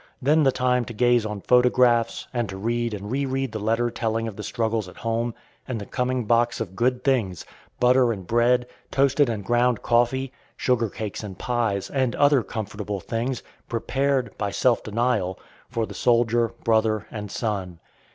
Then the time to gaze on photographs, and to read and re read the letter telling of the struggles at home, and the coming box of good things, butter and bread, toasted and ground coffee, sugar cakes and pies, and other comfortable things, prepared, by self denial, for the soldier, brother, and son.